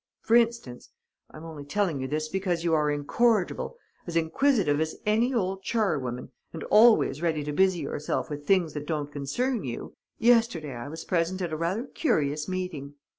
For instance (I am only telling you this because you are incorrigible, as inquisitive as any old charwoman, and always ready to busy yourself with things that don't concern you), yesterday I was present at a rather curious meeting.